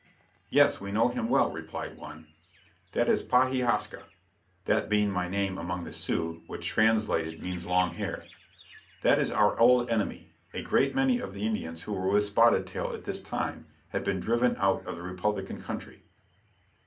"Yes, we know him well," replied one, "that is Pa he haska," (that being my name among the Sioux, which translated means "Long Hair") "that is our old enemy," a great many of the Indians, who were with Spotted Tail at this time, had been driven out of the Republican country.